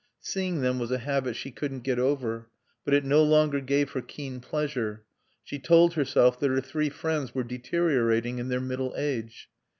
Seeing them was a habit she couldn't get over. But it no longer gave her keen pleasure. She told herself that her three friends were deteriorating in their middle age.